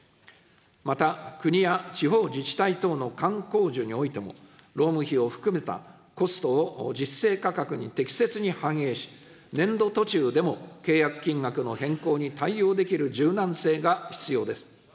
また国や地方自治体等の官公需においても、労務費を含めたコストを実勢価格に適切に反映し、年度途中でも契約金額の変更に対応できる柔軟性が必要です。